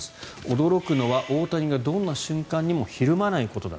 驚くのは大谷がどんな瞬間にもひるまないことだ